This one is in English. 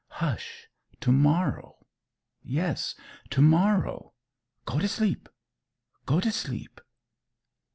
Hush! To morrow. Yes; to morrow. Go t' sleep! Go t' sleep!"